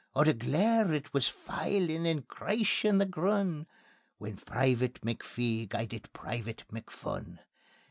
Oh the glaur it wis fylin' and crieshin' the grun', When Private McPhee guidit Private McPhun.